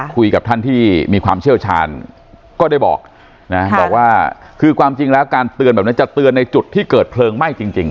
คุยกับท่านที่มีความเชี่ยวชาญก็ได้บอกนะบอกว่าคือความจริงแล้วการเตือนแบบนี้จะเตือนในจุดที่เกิดเพลิงไหม้จริง